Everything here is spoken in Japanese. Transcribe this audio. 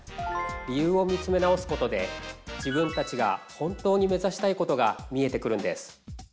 理由を見つめ直すことで自分たちが本当に目指したいことが見えてくるんです。